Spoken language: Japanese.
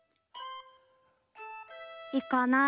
いかない。